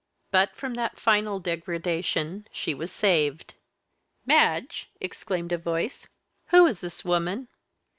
But from that final degradation she was saved. "Madge," exclaimed a voice, "who is this woman?"